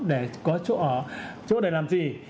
để có chỗ ở chỗ để làm gì